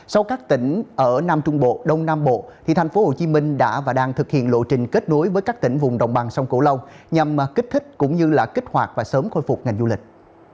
sau các tỉnh ở nam trung bộ đông nam bộ thành phố hồ chí minh đã và đang thực hiện lộ trình kết nối với các tỉnh vùng đồng bằng sông cổ lông nhằm kích thích cũng như kích hoạt và sớm khôi phục ngành du lịch